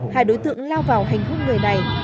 hai đối tượng lao vào hành khúc người này